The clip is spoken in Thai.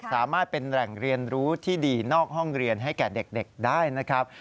สามารถเป็นแหล่งเรียนรู้ที่ดีนอกห้องเรียนให้แก่เด็กได้นะครับ